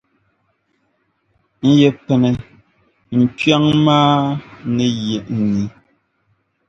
n yi pini, n kpiɔŋ maa ni yi n ni.